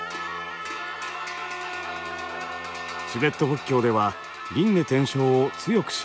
チベット仏教では「輪廻転生」を強く信じています。